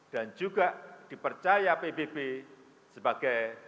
dan juga dipercaya pbb sebagai